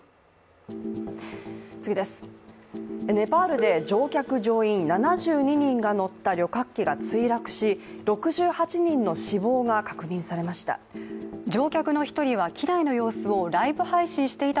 ネパールで乗客・乗員７２人が乗った旅客機が墜落し６８人の死亡が確認されました。